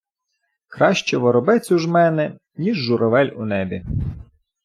Краще воробець у жмени, ніж: журавель у небі.